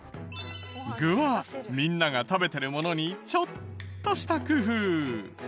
具はみんなが食べてるものにちょっとした工夫。